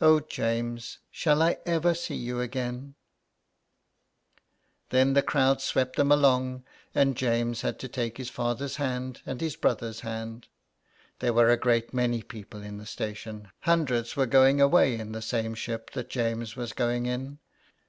Oh, James ! shall I ever see you again ?" Then the crowd swept them along, and James had to take his father's hand and his brother's hand. There were a great many people in the station — hundreds were going away in the same ship that James was going in.